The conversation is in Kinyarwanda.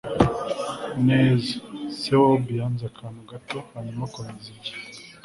neza. se wa obi yanze akantu gato hanyuma akomeza ibye